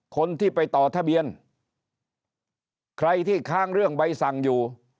คนที่ไปต่อทะเบียนใครที่ค้างเรื่องใบสั่งอยู่